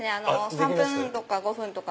３分とか５分とか。